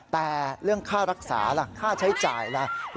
แต่เรื่องค่ารักษาล่ะค่าใช้จ่ายล่ะ